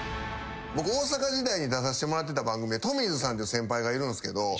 僕大阪時代に出させてもらってた番組でトミーズさんっていう先輩がいるんすけど。